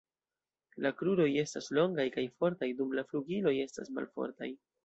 La kruroj estas longaj kaj fortaj, dum la flugiloj estas malfortaj.